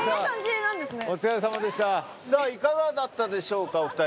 さあいかがだったでしょうかお二人。